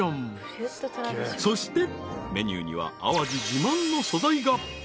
［そしてメニューには淡路自慢の素材が］